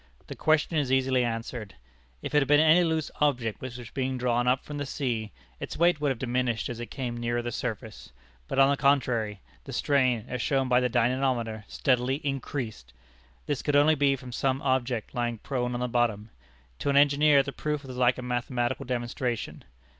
The question is easily answered. If it had been any loose object which was being drawn up from the sea, its weight would have diminished as it came nearer the surface. But on the contrary, the strain, as shown by the dynamometer, steadily increased. This could only be from some object lying prone on the bottom. To an engineer the proof was like a mathematical demonstration.